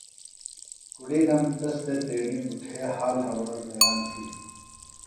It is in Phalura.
کُڑِینم تس تھےۡ تیݨی بٹھے حال حوال بیان تِھیلیۡ